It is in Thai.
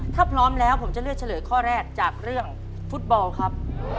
ถ้าพร้อมแล้วผมจะเลือกเฉลยข้อแรกจากเรื่องฟุตบอลครับ